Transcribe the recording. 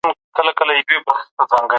زموږ هیواد د اقتصادي پرمختګ پر لور روان دی.